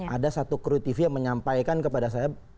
ada satu kru tv yang menyampaikan kepada saya